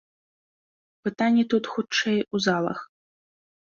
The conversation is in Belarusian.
Пытанне тут, хутчэй, у залах.